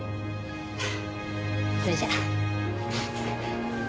それじゃ。